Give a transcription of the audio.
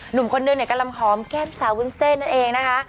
หนุ่มคนนึงเนี่ยกำลังหอมแก้มสาววุ้นเส้นนั่นเองนะคะ